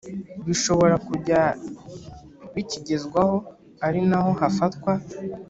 Bishobora Kujya Bikigezwaho Ari Naho Hafatwa